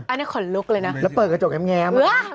อันนี้ขนลุกเลยนะแล้วเปิดกระจกแอ้มนะครับฮื้อ